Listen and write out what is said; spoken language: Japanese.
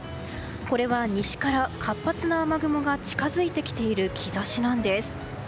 これは西から活発な雨雲が近づいてきている兆しなんです。